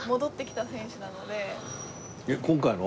えっ今回の？